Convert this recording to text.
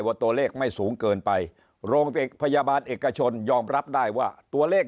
ตัวเลขไม่สูงเกินไปโรงพยาบาลเอกชนยอมรับได้ว่าตัวเลข